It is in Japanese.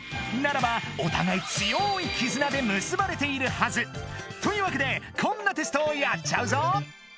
ならばおたがい強い絆でむすばれているはず。というわけでこんなテストをやっちゃうぞ！